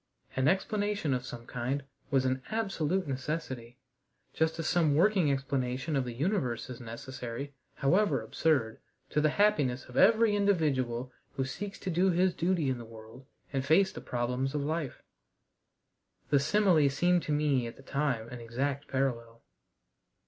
An explanation of some kind was an absolute necessity, just as some working explanation of the universe is necessary however absurd to the happiness of every individual who seeks to do his duty in the world and face the problems of life. The simile seemed to me at the time an exact parallel.